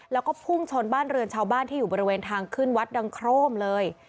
แล้วก็พุ่งชนบ้านเรือนชาวบ้านที่อยู่บริเวณทางขึ้นวัดดังโครมเลย